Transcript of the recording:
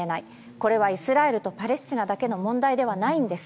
これはイスラエルとパレスチナだけの問題ではないんです。